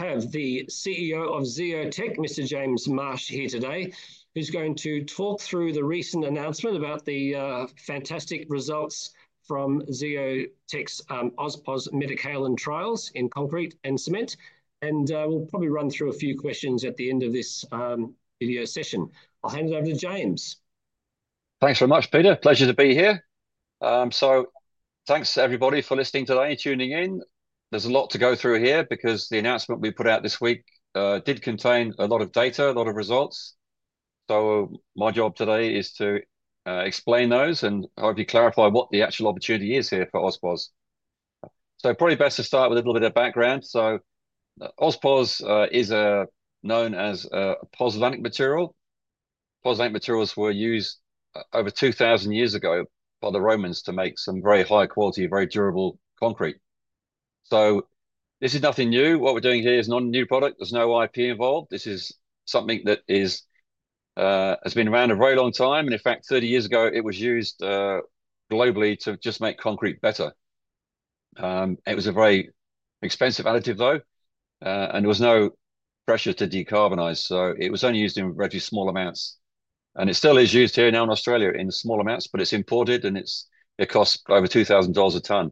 We have the CEO of Zeotech, Mr. James Marsh, here today, who's going to talk through the recent announcement about the fantastic results from Zeotech's AusPozz metakaolin trials in concrete and cement. We'll probably run through a few questions at the end of this video session. I'll hand it over to James. Thanks very much, Peter. Pleasure to be here. Thanks, everybody, for listening today and tuning in. There is a lot to go through here because the announcement we put out this week did contain a lot of data, a lot of results. My job today is to explain those and hopefully clarify what the actual opportunity is here for AusPozz Probably best to start with a little bit of background. AusPozz is known as a pozzolanic material. Pozzolanic materials were used over 2,000 years ago by the Romans to make some very high-quality, very durable concrete. This is nothing new. What we are doing here is not a new product. There is no IP involved. This is something that has been around a very long time. In fact, 30 years ago, it was used globally to just make concrete better. It was a very expensive additive, though, and there was no pressure to decarbonize. It was only used in very small amounts. It still is used here now in Australia in small amounts, but it's imported and it costs over 2,000 dollars a tonne.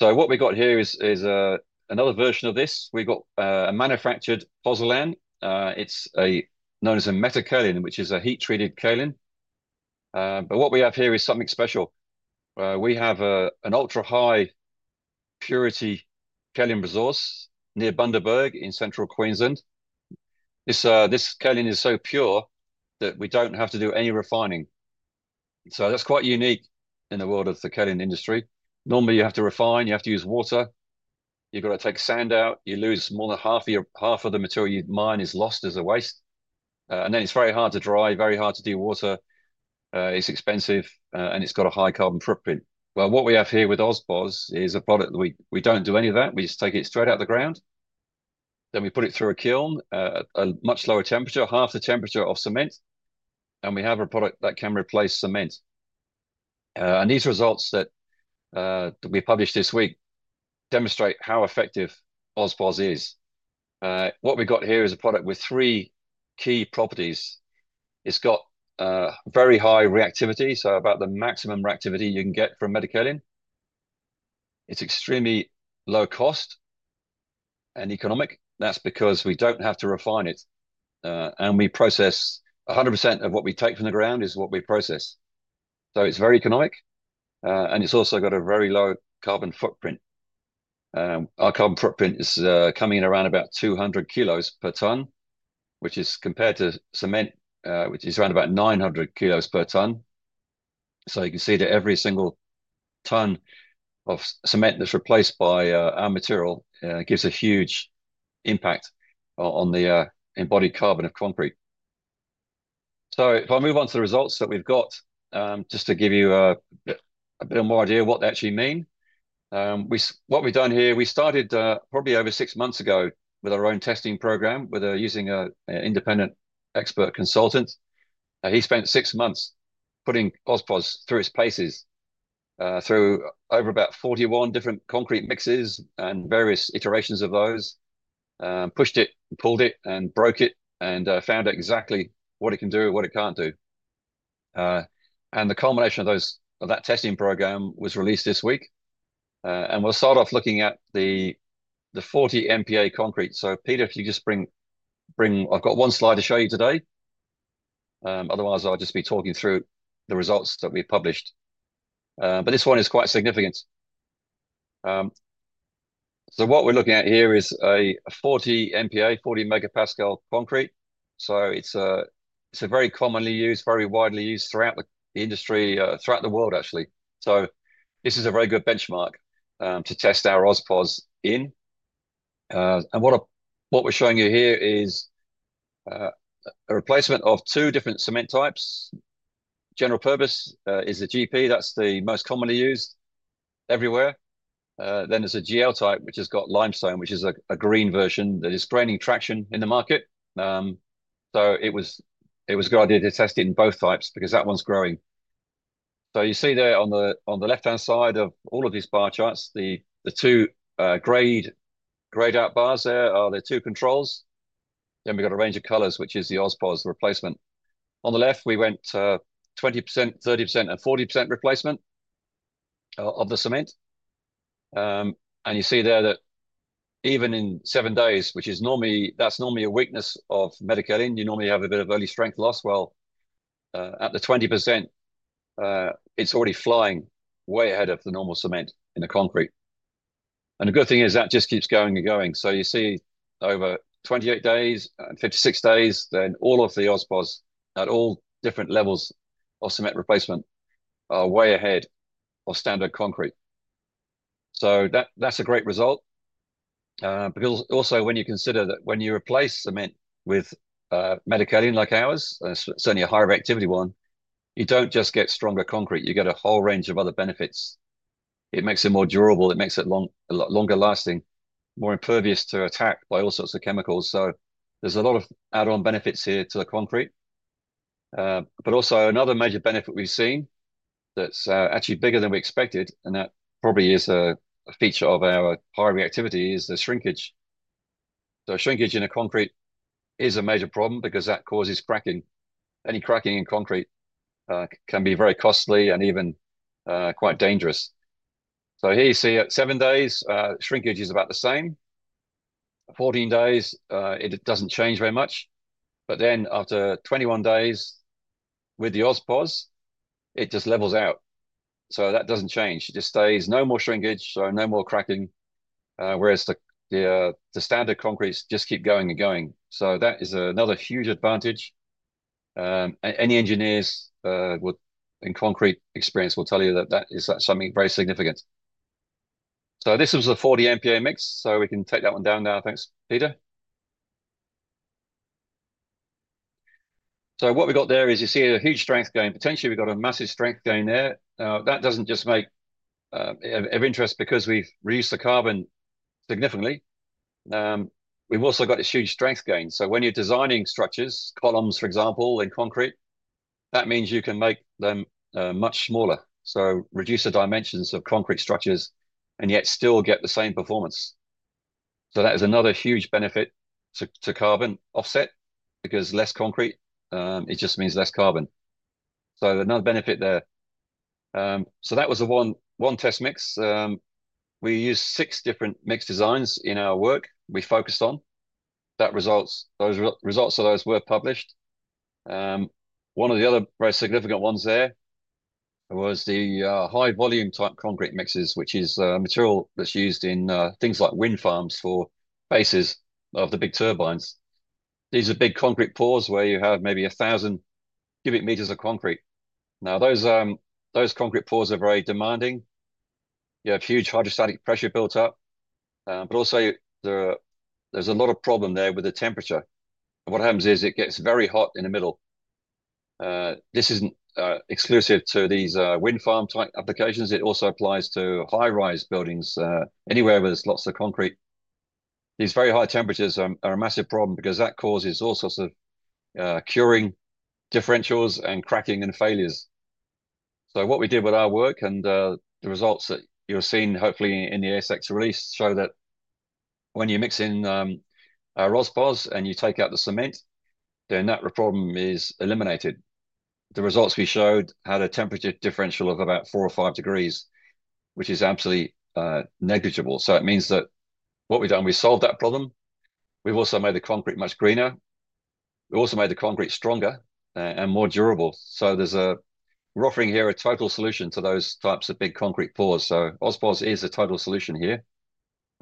What we got here is another version of this. We've got a manufactured pozzolan. It's known as a metakaolin, which is a heat-treated kaolin. What we have here is something special. We have an ultra-high purity kaolin resource near Bundaberg in central Queensland. This kaolin is so pure that we don't have to do any refining. That's quite unique in the world of the kaolin industry. Normally, you have to refine. You have to use water. You've got to take sand out. You lose more than half of the material you mine is lost as a waste. It is very hard to dry, very hard to dewater. It is expensive and it has a high carbon footprint. What we have here with AusPozz is a product that we do not do any of that. We just take it straight out of the ground. We put it through a kiln at a much lower temperature, half the temperature of cement. We have a product that can replace cement. These results that we published this week demonstrate how effective AusPozz is. What we have here is a product with three key properties. It has very high reactivity, so about the maximum reactivity you can get from metakaolin. It is extremely low cost and economic. That is because we do not have to refine it. We process 100% of what we take from the ground as what we process. It is very economic. It has also got a very low carbon footprint. Our carbon footprint is coming in around about 200 kg per tonne, which is compared to cement, which is around about 900 kg per tonne. You can see that every single tonne of cement that is replaced by our material gives a huge impact on the embodied carbon of concrete. If I move on to the results that we have got, just to give you a bit more idea of what they actually mean, what we have done here, we started probably over six months ago with our own testing program using an independent expert consultant. He spent six months putting AusPozz through its paces through over about 41 different concrete mixes and various iterations of those, pushed it, pulled it, and broke it and found exactly what it can do, what it cannot do. The culmination of that testing program was released this week. We'll start off looking at the 40 MPa concrete. Peter, if you just bring, I've got one slide to show you today. Otherwise, I'll just be talking through the results that we published. This one is quite significant. What we're looking at here is a 40 MPa, 40 megapascal concrete. It's a very commonly used, very widely used throughout the industry, throughout the world, actually. This is a very good benchmark to test our AusPozz in. What we're showing you here is a replacement of two different cement types. General purpose is the GP. That's the most commonly used everywhere. There's a GL type, which has got limestone, which is a green version that is gaining traction in the market. It was a good idea to test it in both types because that one's growing. You see there on the left-hand side of all of these bar charts, the two grayed-out bars there are the two controls. Then we've got a range of colors, which is the AusPozz replacement. On the left, we went to 20%, 30%, and 40% replacement of the cement. You see there that even in seven days, which is normally a weakness of metakaolin, you normally have a bit of early strength loss. At the 20%, it's already flying way ahead of the normal cement in the concrete. The good thing is that just keeps going and going. You see over 28 days, 56 days, all of the AusPozz at all different levels of cement replacement are way ahead of standard concrete. That's a great result. Also, when you consider that when you replace cement with metakaolin like ours, certainly a higher activity one, you do not just get stronger concrete. You get a whole range of other benefits. It makes it more durable. It makes it longer lasting, more impervious to attack by all sorts of chemicals. There is a lot of add-on benefits here to the concrete. Another major benefit we have seen that is actually bigger than we expected, and that probably is a feature of our high reactivity, is the shrinkage. Shrinkage in a concrete is a major problem because that causes cracking. Any cracking in concrete can be very costly and even quite dangerous. Here you see at seven days, shrinkage is about the same. At 14 days, it does not change very much. After 21 days with the AusPozz, it just levels out. That does not change. It just stays. No more shrinkage, so no more cracking. Whereas the standard concretes just keep going and going. That is another huge advantage. Any engineers in concrete experience will tell you that that is something very significant. This was a 40 MPa mix. We can take that one down now. Thanks, Peter. What we've got there is you see a huge strength gain. Potentially, we've got a massive strength gain there. That doesn't just make of interest because we've reduced the carbon significantly. We've also got this huge strength gain. When you're designing structures, columns, for example, in concrete, that means you can make them much smaller, so reduce the dimensions of concrete structures and yet still get the same performance. That is another huge benefit to carbon offset because less concrete, it just means less carbon. Another benefit there. That was one test mix. We used six different mix designs in our work we focused on. Those results of those were published. One of the other very significant ones there was the high-volume type concrete mixes, which is a material that's used in things like wind farms for bases of the big turbines. These are big concrete pours where you have maybe 1,000 cubic meters of concrete. Now, those concrete pours are very demanding. You have huge hydrostatic pressure built up. Also, there's a lot of problem there with the temperature. What happens is it gets very hot in the middle. This isn't exclusive to these wind farm type applications. It also applies to high-rise buildings, anywhere where there's lots of concrete. These very high temperatures are a massive problem because that causes all sorts of curing differentials and cracking and failures. What we did with our work and the results that you're seeing, hopefully in the ASX release, show that when you mix in AusPozz and you take out the cement, then that problem is eliminated. The results we showed had a temperature differential of about four or five degrees, which is absolutely negligible. It means that what we've done, we solved that problem. We've also made the concrete much greener. We also made the concrete stronger and more durable. We're offering here a total solution to those types of big concrete pours. AusPozz is a total solution here.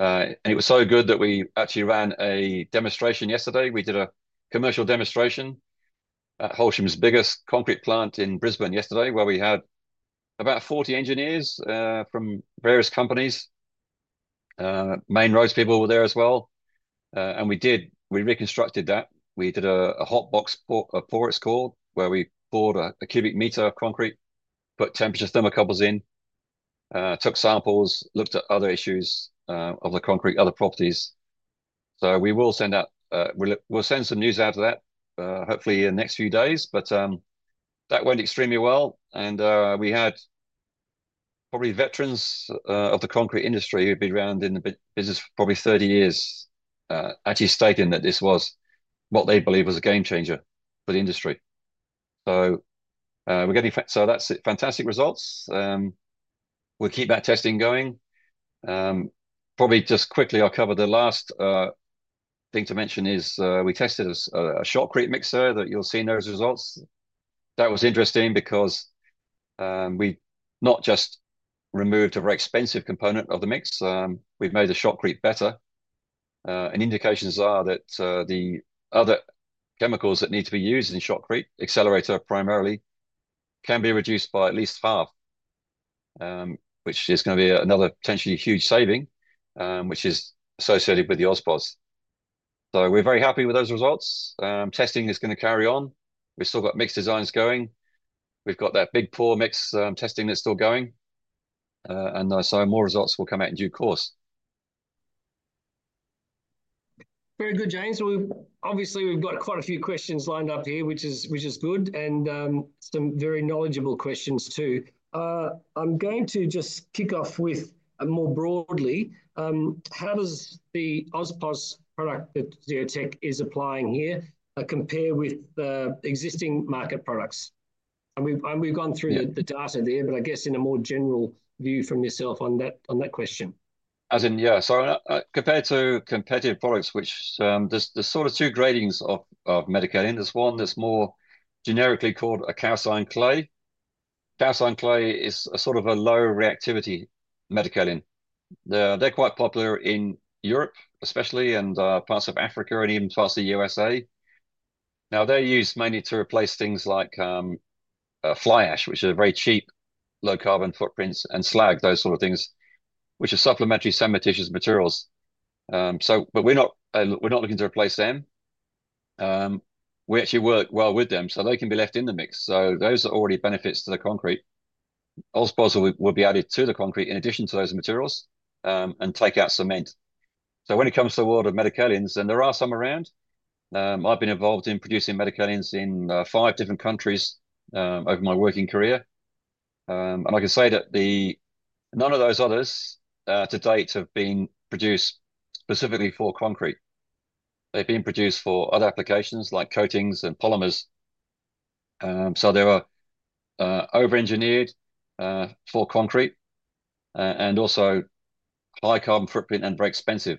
It was so good that we actually ran a demonstration yesterday. We did a commercial demonstration at Holcim's biggest concrete plant in Brisbane yesterday, where we had about 40 engineers from various companies. Main roads people were there as well. We reconstructed that. We did a hot box pour, it's called, where we poured a cubic metre of concrete, put temperature thermocouples in, took samples, looked at other issues of the concrete, other properties. We will send some news out of that, hopefully in the next few days. That went extremely well. We had probably veterans of the concrete industry who've been around in the business for probably 30 years actually stating that this was what they believe was a game changer for the industry. We are getting fantastic results. We'll keep that testing going. Probably just quickly, I'll cover the last thing to mention is we tested a shotcrete mixer that you'll see in those results. That was interesting because we not just removed a very expensive component of the mix, we've made the shotcrete better. Indications are that the other chemicals that need to be used in shotcrete, accelerator primarily, can be reduced by at least half, which is going to be another potentially huge saving, which is associated with the AusPozz. We are very happy with those results. Testing is going to carry on. We have still got mix designs going. We have got that big pour mix testing that is still going. More results will come out in due course. Very good, James. Obviously, we have quite a few questions lined up here, which is good, and some very knowledgeable questions too. I am going to just kick off with more broadly. How does the AusPozz product that Zeotech is applying here compare with existing market products? We have gone through the data there, but I guess in a more general view from yourself on that question. As in, yeah. Compared to competitive products, which there's sort of two gradings of metakaolin. There's one that's more generically called a calcined clay. Calcined clay is a sort of a low-reactivity metakaolin. They're quite popular in Europe, especially, and parts of Africa and even parts of the USA. Now, they're used mainly to replace things like fly ash, which are very cheap, low-carbon footprints, and slag, those sort of things, which are supplementary cementitious materials. We're not looking to replace them. We actually work well with them, so they can be left in the mix. Those are already benefits to the concrete. AusPozz will be added to the concrete in addition to those materials and take out cement. When it comes to the world of metakaolins, and there are some around, I've been involved in producing metakaolins in five different countries over my working career. I can say that none of those others to date have been produced specifically for concrete. They've been produced for other applications like coatings and polymers. They were over-engineered for concrete and also high carbon footprint and very expensive.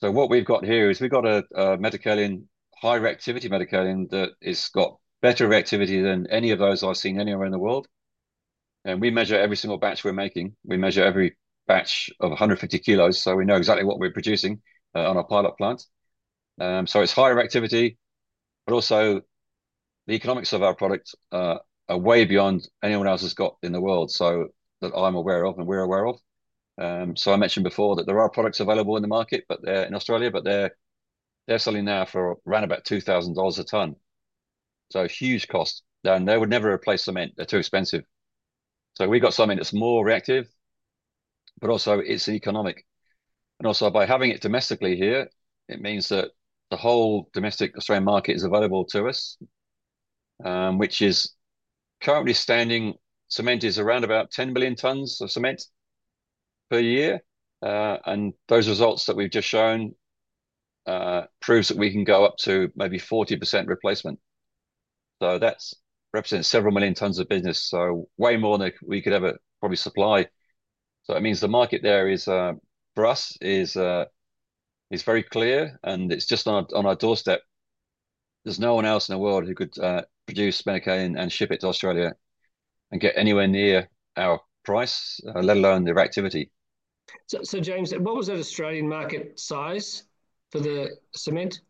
What we've got here is we've got a metakaolin, high-reactivity metakaolin that has got better reactivity than any of those I've seen anywhere in the world. We measure every single batch we're making. We measure every batch of 150 kg, so we know exactly what we're producing on our pilot plant. It's high reactivity, but also the economics of our product are way beyond anyone else has got in the world that I'm aware of and we're aware of. I mentioned before that there are products available in the market, but they're in Australia, but they're selling now for around about 2,000 dollars a tonne. Huge cost. They would never replace cement. They're too expensive. We've got something that's more reactive, but also it's economic. Also, by having it domestically here, it means that the whole domestic Australian market is available to us, which is currently standing cement is around about 10 million tonnes of cement per year. Those results that we've just shown prove that we can go up to maybe 40% replacement. That represents several million tonnes of business, so way more than we could ever probably supply. It means the market there for us is very clear, and it's just on our doorstep. There's no one else in the world who could produce metakaolin and ship it to Australia and get anywhere near our price, let alone the reactivity. James, what was that Australian market size for the cement?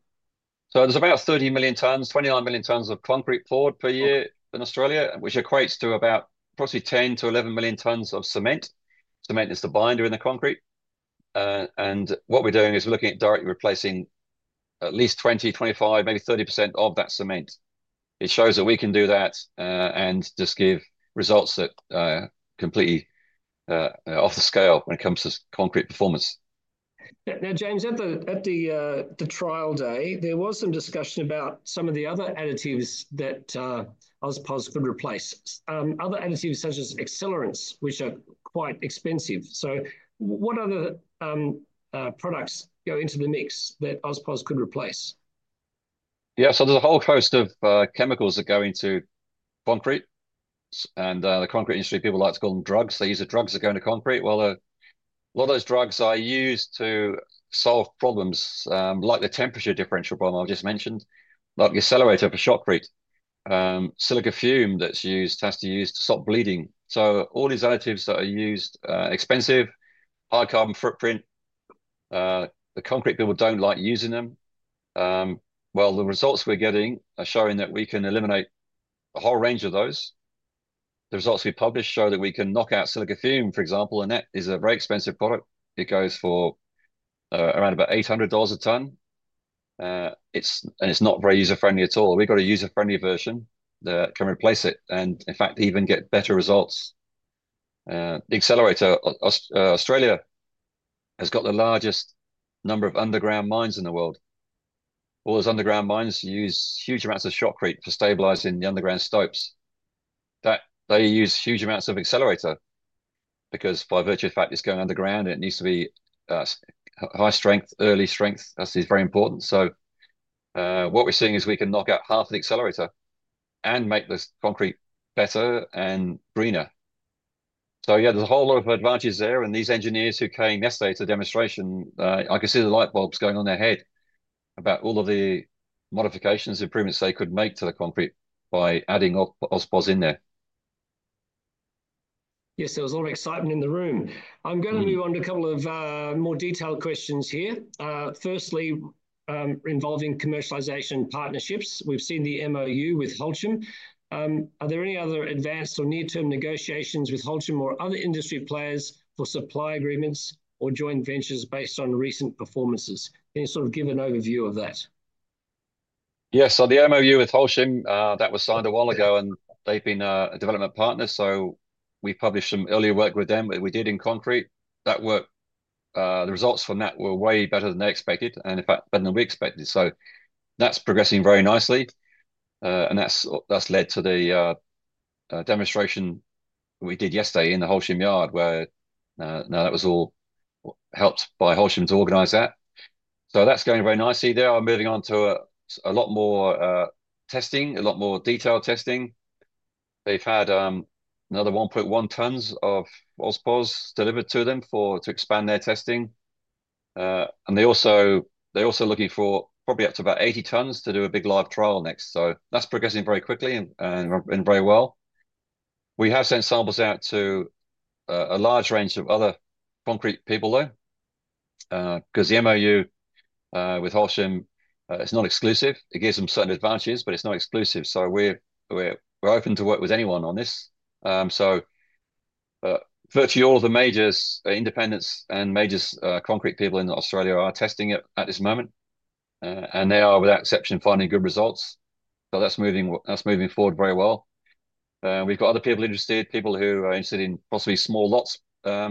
There is about 30 million tonnes, 29 million tonnes of concrete poured per year in Australia, which equates to about probably 10 million-11 million tonnes of cement. Cement is the binder in the concrete. What we are doing is we are looking at directly replacing at least 20%, 25%, maybe 30% of that cement. It shows that we can do that and just give results that are completely off the scale when it comes to concrete performance. Now, James, at the trial day, there was some discussion about some of the other additives that AusPozz could replace, other additives such as accelerants, which are quite expensive. What other products go into the mix that AusPozz could replace? Yeah, there is a whole host of chemicals that go into concrete. The concrete industry, people like to call them drugs. They use the drugs that go into concrete. A lot of those drugs are used to solve problems like the temperature differential problem I just mentioned, like the accelerator for shotcrete, silica fume that's used has to use to stop bleeding. All these additives that are used, expensive, high carbon footprint, the concrete people don't like using them. The results we're getting are showing that we can eliminate a whole range of those. The results we published show that we can knock out silica fume, for example, and that is a very expensive product. It goes for around about 800 dollars a tonne. It's not very user-friendly at all. We've got a user-friendly version that can replace it and, in fact, even get better results. The accelerator, Australia has got the largest number of underground mines in the world. All those underground mines use huge amounts of shotcrete for stabilizing the underground stopes. They use huge amounts of accelerator because by virtue of the fact it's going underground, it needs to be high strength, early strength. That's very important. What we're seeing is we can knock out half the accelerator and make the concrete better and greener. Yeah, there's a whole lot of advantages there. These engineers who came yesterday to the demonstration, I could see the light bulbs going on in their head about all of the modifications, improvements they could make to the concrete by adding AusPozz in there. Yes, there was a lot of excitement in the room. I'm going to move on to a couple of more detailed questions here. Firstly, involving commercialisation partnerships. We've seen the MoU with Holcim. Are there any other advanced or near-term negotiations with Holcim or other industry players for supply agreements or joint ventures based on recent performances? Can you sort of give an overview of that? Yeah, so the MoU with Holcim, that was signed a while ago, and they've been a development partner. We published some earlier work with them, but we did in concrete. The results from that were way better than they expected and, in fact, better than we expected. That is progressing very nicely. That has led to the demonstration we did yesterday in the Holcim yard, where that was all helped by Holcim to organize that. That is going very nicely. They are moving on to a lot more testing, a lot more detailed testing. They've had another 1.1 tonnes of AusPozz delivered to them to expand their testing. They are also looking for probably up to about 80 tonnes to do a big live trial next. That is progressing very quickly and very well. We have sent samples out to a large range of other concrete people, though, because the MoU with Holcim is not exclusive. It gives them certain advantages, but it's not exclusive. We are open to work with anyone on this. Virtually all of the majors, independents, and major concrete people in Australia are testing it at this moment. They are, without exception, finding good results. That is moving forward very well. We have other people interested, people who are interested in possibly small lots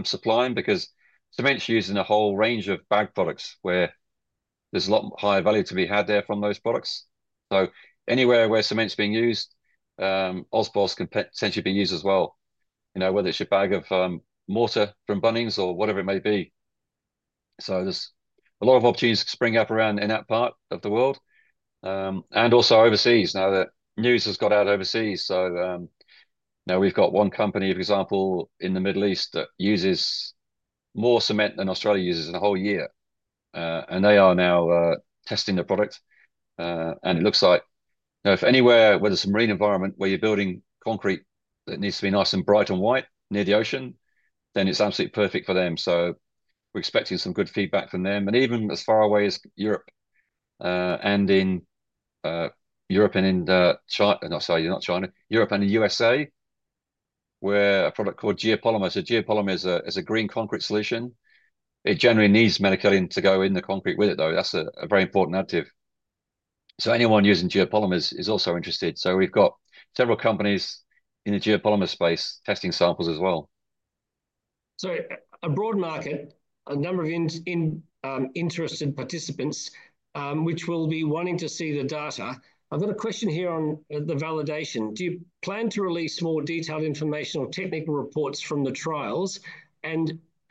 supplying because cement is used in a whole range of bag products where there is a lot higher value to be had there from those products. Anywhere where cement is being used, AusPozz can potentially be used as well, whether it is your bag of mortar from Bunnings or whatever it may be. There are a lot of opportunities springing up around in that part of the world and also overseas. Now, the news has got out overseas. Now we have one company, for example, in the Middle East that uses more cement than Australia uses in a whole year. They are now testing the product. It looks like if anywhere, whether it is a marine environment where you are building concrete that needs to be nice and bright and white near the ocean, then it is absolutely perfect for them. We are expecting some good feedback from them. Even as far away as Europe and in Europe and in China, not China, you are not China, Europe and the USA, where a product called Geopolymer. Geopolymer is a green concrete solution. It generally needs metakaolin to go in the concrete with it, though. That is a very important additive. Anyone using geopolymer is also interested. We have several companies in the geopolymer space testing samples as well. A broad market, a number of interested participants, which will be wanting to see the data. I have a question here on the validation. Do you plan to release more detailed information or technical reports from the trials?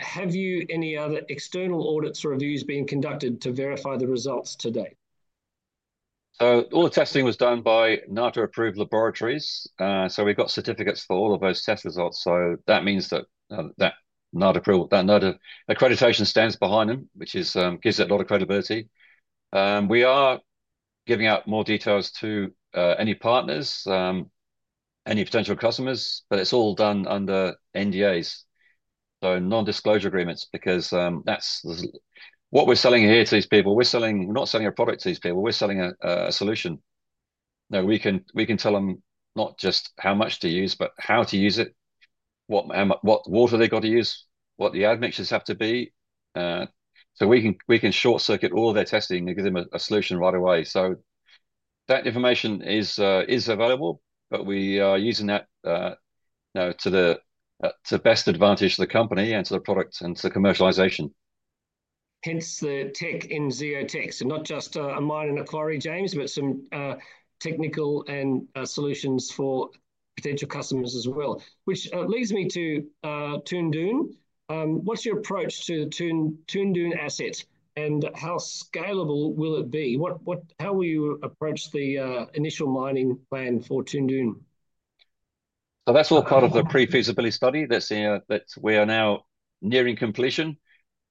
Have you any other external audits or reviews being conducted to verify the results to date? All the testing was done by NATA-approved laboratories. We have certificates for all of those test results. That means that NATA accreditation stands behind them, which gives it a lot of credibility. We are giving out more details to any partners, any potential customers, but it is all done under NDAs, non-disclosure agreements, because that is what we are selling here to these people. We are not selling a product to these people. We're selling a solution. We can tell them not just how much to use, but how to use it, what water they've got to use, what the admixtures have to be. We can short-circuit all of their testing and give them a solution right away. That information is available, but we are using that now to best advantage the company and to the product and to commercialisation. Hence the tech in Zeotech, not just a mine and a quarry, James, but some technical and solutions for potential customers as well, which leads me to Toondoon. What's your approach to the Toondoon asset, and how scalable will it be? How will you approach the initial mining plan for Toondoon? That is all part of the pre-feasibility study that we are now nearing completion.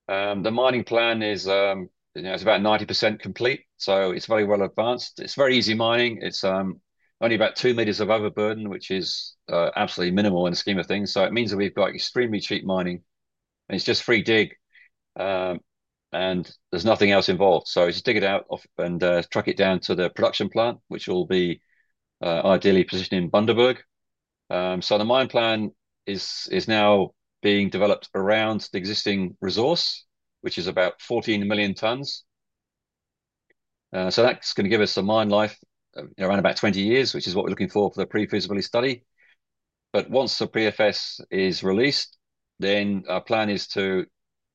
The mining plan is about 90% complete, so it's very well advanced. It's very easy mining. It's only about 2 meters of overburden, which is absolutely minimal in the scheme of things. It means that we've got extremely cheap mining. It's just free dig, and there's nothing else involved. Just dig it out and truck it down to the production plant, which will be ideally positioned in Bundaberg. The mine plan is now being developed around the existing resource, which is about 14 million tonnes. That's going to give us a mine life around 20 years, which is what we're looking for for the pre-feasibility study. Once the PFS is released, our plan is to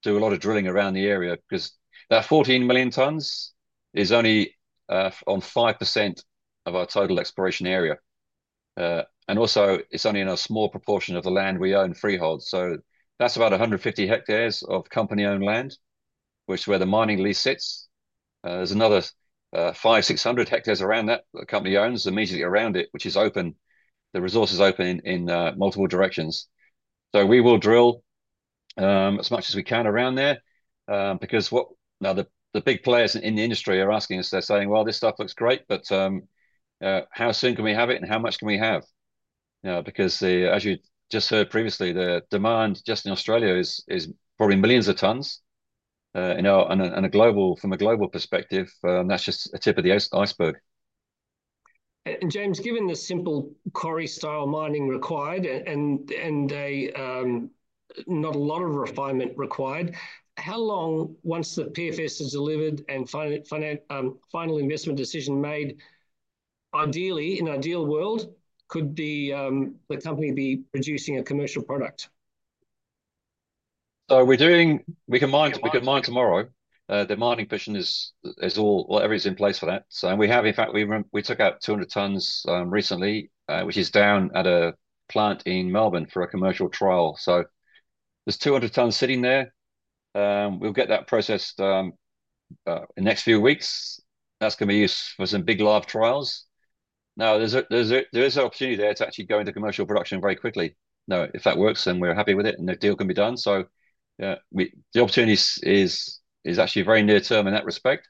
do a lot of drilling around the area because that 14 million tonnes is only on 5% of our total exploration area. Also, it's only in a small proportion of the land we own freehold. That's about 150 hectares of company-owned land, which is where the mining lease sits. There's another 500-600 hectares around that the company owns immediately around it, which is open. The resource is open in multiple directions. We will drill as much as we can around there because now the big players in the industry are asking us. They're saying, "This stuff looks great, but how soon can we have it, and how much can we have?" As you just heard previously, the demand just in Australia is probably millions of tonnes. From a global perspective, that's just the tip of the iceberg. James, given the simple quarry-style mining required and not a lot of refinement required, how long, once the PFS is delivered and final investment decision made, ideally, in an ideal world, could the company be producing a commercial product? We can mine tomorrow. The mining position is all, everything's in place for that. We have, in fact, we took out 200 tonnes recently, which is down at a plant in Melbourne for a commercial trial. There are 200 tonnes sitting there. We'll get that processed in the next few weeks. That's going to be used for some big live trials. There is an opportunity there to actually go into commercial production very quickly. If that works, then we're happy with it, and the deal can be done. The opportunity is actually very near-term in that respect.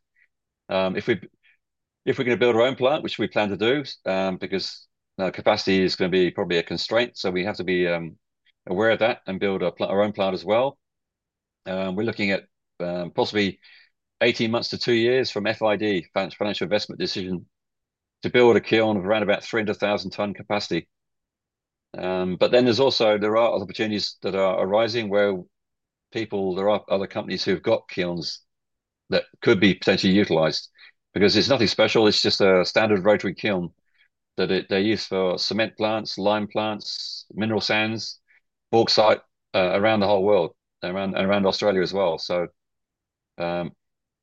If we're going to build our own plant, which we plan to do, because capacity is going to be probably a constraint, we have to be aware of that and build our own plant as well. We're looking at possibly 18 months to two years from FID, financial investment decision, to build a kiln of around about 300,000-tonne capacity. There are opportunities that are arising where people, there are other companies who've got kilns that could be potentially utilized because it's nothing special. It's just a standard rotary kiln that they use for cement plants, lime plants, mineral sands, bauxite around the whole world and around Australia as well.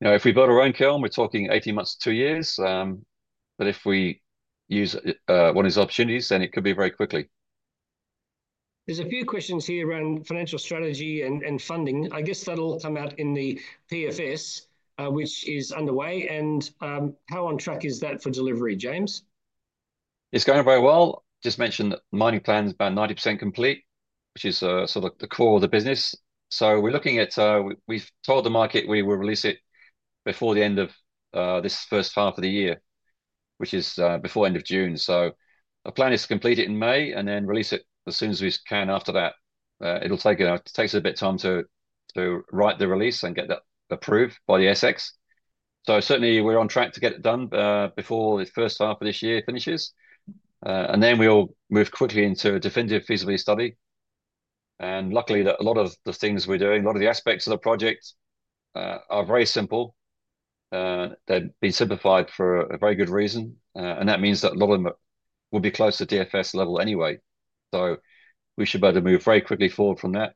If we build our own kiln, we're talking 18 months to two years. If we use one of these opportunities, then it could be very quickly. There's a few questions here around financial strategy and funding. I guess that'll come out in the PFS, which is underway. How on track is that for delivery, James? It's going very well. Just mentioned the mining plan is about 90% complete, which is sort of the core of the business. We are looking at, we have told the market we will release it before the end of this first half of the year, which is before the end of June. The plan is to complete it in May and then release it as soon as we can after that. It will take a bit of time to write the release and get that approved by the ASX. Certainly, we are on track to get it done before the first half of this year finishes. We will move quickly into a definitive feasibility study. Luckily, a lot of the things we are doing, a lot of the aspects of the project are very simple. They have been simplified for a very good reason. That means that a lot of them will be close to DFS level anyway. We should be able to move very quickly forward from that.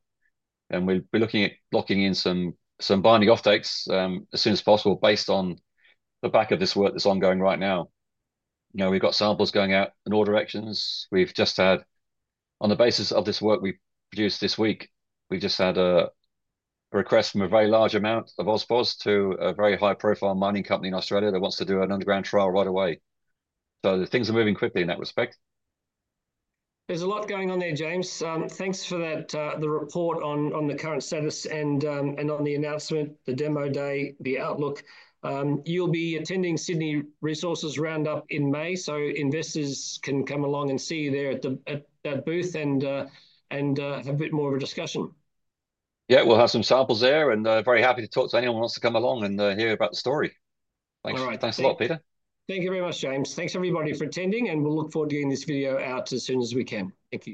We're looking at locking in some binding offtakes as soon as possible based on the back of this work that's ongoing right now. We've got samples going out in all directions. On the basis of this work we produced this week, we just had a request from a very large amount of AusPozz to a very high-profile mining company in Australia that wants to do an underground trial right away. Things are moving quickly in that respect. There's a lot going on there, James. Thanks for the report on the current status and on the announcement, the demo day, the outlook. You'll be attending Sydney Resources Roundup in May, so investors can come along and see you there at that booth and have a bit more of a discussion. Yeah, we'll have some samples there. Very happy to talk to anyone who wants to come along and hear about the story. Thanks a lot, Peter. Thank you very much, James. Thanks, everybody, for attending. We'll look forward to getting this video out as soon as we can. Thank you.